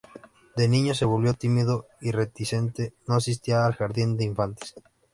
De niño se volvió tímido y reticente, no asistía al jardín de infantes.